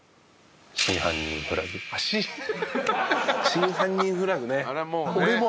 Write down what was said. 『真犯人フラグ』ね。